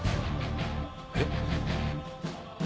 えっ？